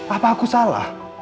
apa aku salah